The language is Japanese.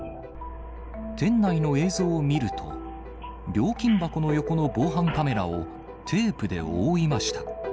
店内の映像を見ると、料金箱の横の防犯カメラをテープで覆いました。